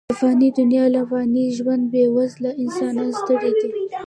د فاني دنیا له فاني ژونده، بې وزله انسانان ستړي دي.